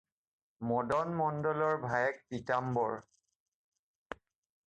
মদন মণ্ডলৰ ভায়েক পীতাম্বৰ।